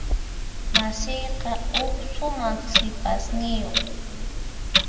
Masiyqa huk sumaq sipasniyuq.